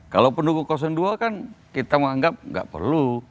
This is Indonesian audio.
kalau pendukung dua kan kita menganggap nggak perlu